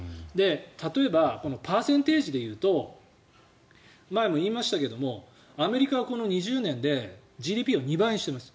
例えばパーセンテージで言うと前も言いましたけれどアメリカがこの２０年でＧＤＰを２倍にしています。